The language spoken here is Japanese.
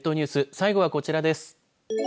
最後はこちらです。